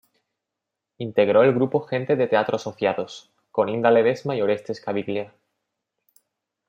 Integró el grupo "Gente de Teatro Asociados" con Inda Ledesma y Orestes Caviglia.